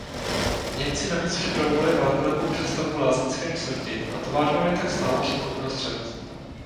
Němci navíc připravovali velkolepou přestavbu lázeňské čtvrti a továrna by tak stála přímo uprostřed.